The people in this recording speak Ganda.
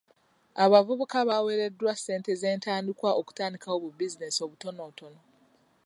Abavubuka baweereddwa ssente z'entandikwa okutandikawo bu bizinensi obutonotono.